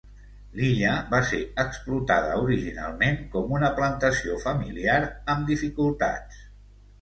L'illa va ser explotada originalment com una plantació familiar amb dificultats.